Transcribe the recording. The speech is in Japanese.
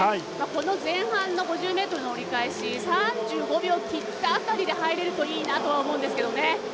この前半の５０ｍの折り返し３５秒切った辺りで入れるといいなとは思うんですけどね。